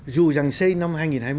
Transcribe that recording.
dù rằng xây năm hai nghìn hai mươi một